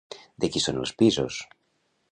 De qui són els pisos?